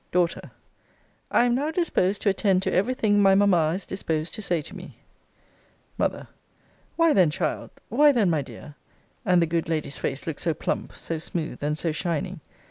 Daughter. I am now disposed to attend to every thing my mamma is disposed to say to me. M. Why then, child why then, my dear [and the good lady's face looked so plump, so smooth, and so shining!